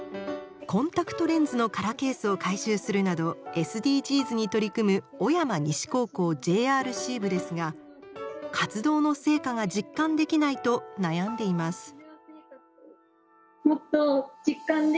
コンタクトレンズの空ケースを回収するなどＳＤＧｓに取り組む小山西高校ＪＲＣ部ですが活動の成果が実感できないと悩んでいます。